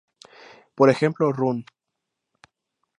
Por ejemplo, "Run!